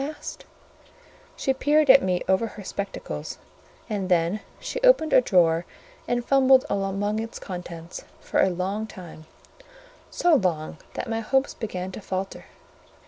I asked. She peered at me over her spectacles, and then she opened a drawer and fumbled among its contents for a long time, so long that my hopes began to falter.